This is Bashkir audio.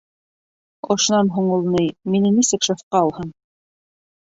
— Ошонан һуң ул, ни, мине нисек шефҡа алһын?!